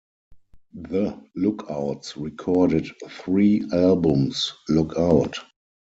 The Lookouts recorded three albums, Lookout!